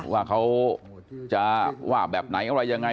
ว่าเขาจะว่าแบบไหนอะไรยังไง